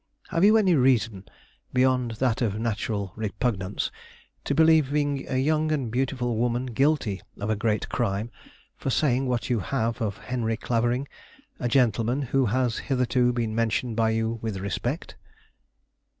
Have you any reason, beyond that of natural repugnance to believing a young and beautiful woman guilty of a great crime, for saying what you have of Henry Clavering, a gentleman who has hitherto been mentioned by you with respect?"